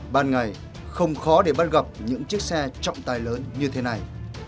ban ngày không khó để bắt gặp những chiếc xe trọng tài lớn như thế này